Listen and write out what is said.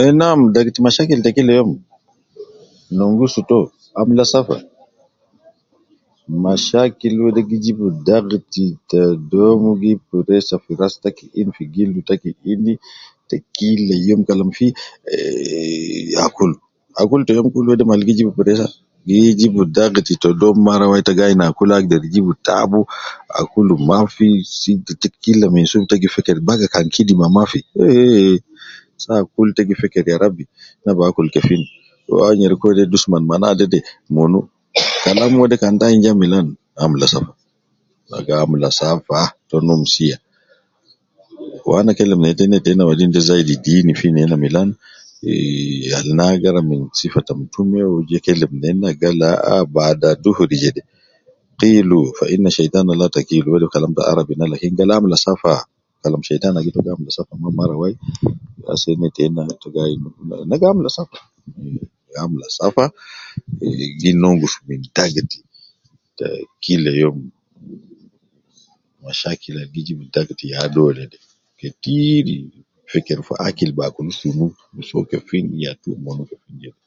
Eh nam degit mashakil te kila youm, nongus to, amula safa, mashakil wede gi jib dakt ta dom gi fi ras taki in ,fi gildu taki in ,ta gi kila youm Kalam fi, eh akul, akul te youm kul wede mal gi jib pressure, gi jibu dakt te dom mara wai ta gi ayin akul agder jib taabu, akulu Mafi, sita kila minsub ta gi feker baga kan kidima mafi, eh eh, saa kul te gi feker ya rabbi ana bi akul kefin , wua nyereku wede dusman ma naade de, wa munu ,Kalam wede kan ta ayin ja milan, akula safa ,ta gi amula safa, ta num sia, wu ana kelem neta ne tena wadin de zaidi deeni fi nena milan, ih, al na agara me sifa te mtume ,uwo ja kelem nena gal ah ah bada dhuhuri jede, kiilu fa inna sheitwana laka kiilu, wede Kalam ta Arabi na lakin gal amula safa Kalam sheitwan agi to gi amula safa ma mara wai, ase ne tena te gi ayin ne ne gi amula safa, gi amula safa eh gi nongus min dagt ta kila youm, mashakil al gi jib dagt ya dole, ketiri, feker fi akil bi akul sunu, soo kefin ma yatu in jede